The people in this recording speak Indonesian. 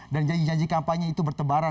dan janji janji kampanye itu bertebaran